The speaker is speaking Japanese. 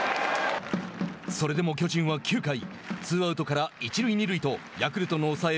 それでも巨人は９回ツーアウトから一塁二塁とヤクルトの抑え